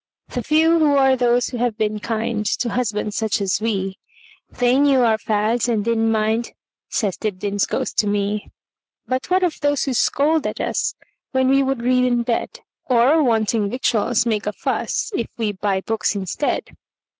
The few are those who have been kindTo husbands such as we; They knew our fads, and did n't mind,"Says Dibdin's ghost to me."But what of those who scold at usWhen we would read in bed? Or, wanting victuals, make a fussIf we buy books instead?